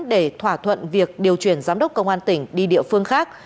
để thỏa thuận việc điều chuyển giám đốc công an tỉnh đi địa phương khác